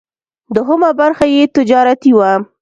دوهمه برخه یې تجارتي وه.